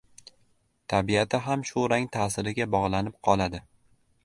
Tabiati ham shu rang ta’siriga bog‘lanib qoladi.